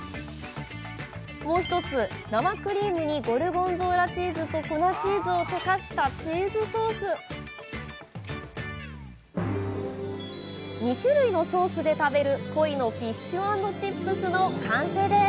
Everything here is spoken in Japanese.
もう一つ生クリームにゴルゴンゾーラチーズと粉チーズを溶かした２種類のソースで食べるコイのフィッシュ＆チップスの完成です。